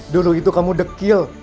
dulu itu kamu dekil